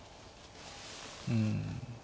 うん。